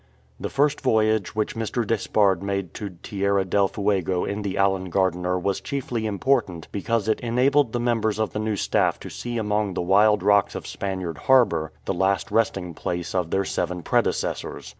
The first voyage which Mr. Despard made to Tierra del Fuego in the Allen Gar'diner was chiefly important because it enabled the members of the new staff to see amon*^ the & wild rocks of Spaniard Harbour the last resting place of their seven predecessors.